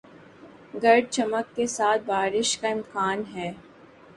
گرج چمک کے ساتھ بارش کا امکان ہے